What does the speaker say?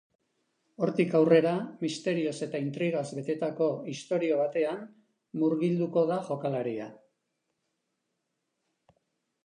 Hortik aurrera, misterioz eta intrigaz betetako istorio batean murgilduko da jokalaria.